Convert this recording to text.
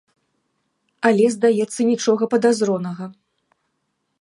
Але, здаецца, нічога падазронага.